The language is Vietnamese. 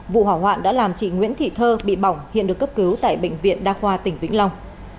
vụ hỏa hoạn đã làm chị nguyễn thị thơ bị bỏng hiện được cấp cứu tại bệnh viện đa khoa tỉnh vĩnh long